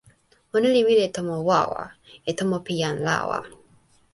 ona li wile e tomo wawa, e tomo pi jan lawa.